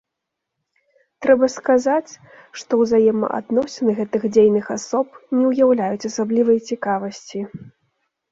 Трэба сказаць, што ўзаемаадносіны гэтых дзейных асоб не ўяўляюць асаблівай цікавасці.